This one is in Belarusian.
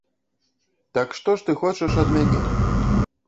Так, што ж ты хочаш ад мяне?